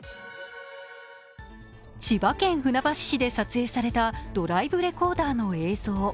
千葉県船橋市で撮影されたドライブレコーダーの映像。